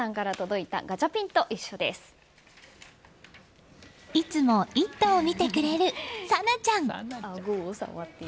いつも「イット！」を見てくれる紗奈ちゃん。